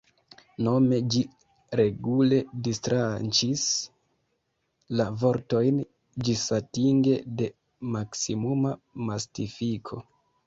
Nome ĝi regule distranĉis la vortojn ĝisatinge de maksimuma mistifiko.